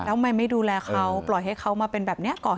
แล้วทำไมไม่ดูแลเขาปล่อยให้เขามาเป็นแบบนี้